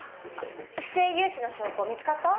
不正融資の証拠見つかった？